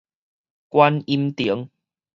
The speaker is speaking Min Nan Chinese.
觀音亭